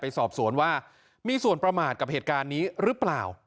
สอบสวนว่ามีส่วนประมาทกับเหตุการณ์นี้หรือเปล่า